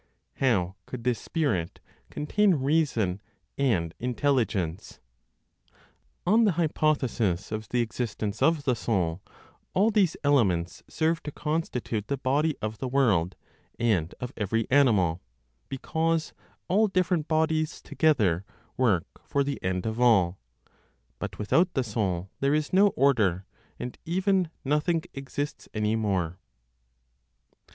How could this spirit contain reason and intelligence? On the hypothesis of the existence of the soul, all these elements serve to constitute the body of the world, and of every animal, because all different bodies together work for the end of all; but without the soul, there is no order, and even nothing exists any more.